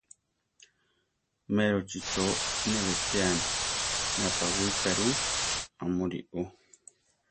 Merochí cho ne betéame, napawika ru; amúri ú.